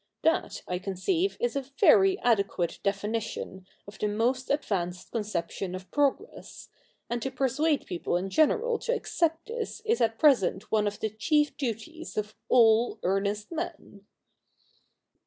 That, I conceive, is a very adequate definition of the most advanced con ception of progress, and to persuade people in general to accept this is at present one of the chief duties of all earnest men.'